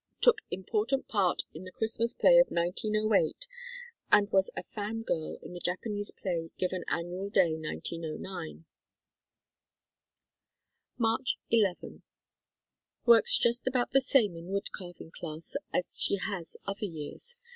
Took important part in the Christmas play of 1908 and was a "Fan Girl" in the Japanese play given Annual Day, 1909. Mar. 'n. Works just about the same in wood carving class as she has other years.